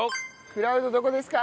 クラウドどこですか？